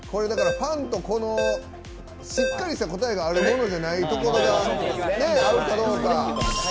ファンとしっかりした答えがあるものじゃないから合うかどうか。